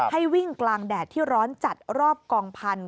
ให้วิ่งกลางแดดที่ร้อนจัดรอบกองพันธุ